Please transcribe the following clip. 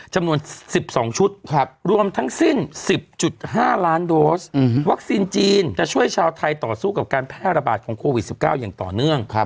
จำนวน๑๒ชุดรวมทั้งสิ้น๑๐๕ล้านโดสวัคซีนจีนจะช่วยชาวไทยต่อสู้กับการแพร่ระบาดของโควิด๑๙อย่างต่อเนื่อง